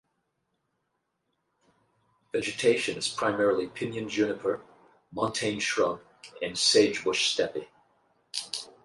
Vegetation is primarily pinyon-juniper, montane shrub, and sagebrush steppe.